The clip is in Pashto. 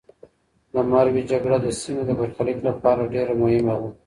د مروې جګړه د سیمې د برخلیک لپاره ډېره مهمه وه.